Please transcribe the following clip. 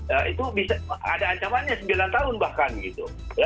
itu bisa ada ancamannya sembilan tahun bahkan gitu